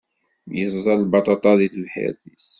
Yeẓẓa lbaṭaṭa deg tebḥirt-is.